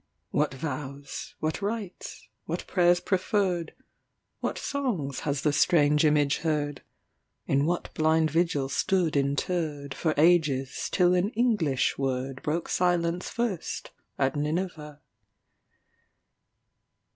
What vows, what rites, what prayers preferred, What songs has the strange image heard? In what blind vigil stood interredFor ages, till an English wordBroke silence first at Nineveh?